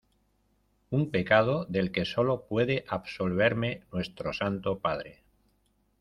un pecado del que sólo puede absolverme Nuestro Santo Padre.